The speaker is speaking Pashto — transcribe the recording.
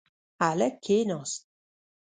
هلک کښېناست.